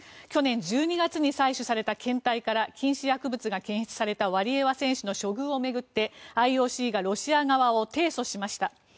去年１２月に採取された検体から禁止薬物が検出されたワリエワ選手の処遇を巡ってＩＯＣがロシア側を提訴しました。